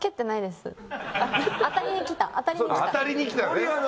当たりに来たのね。